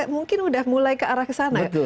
mungkin sudah mulai ke arah kesana ya